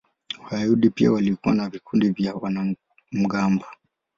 Wayahudi pia walikuwa na vikundi vya wanamgambo.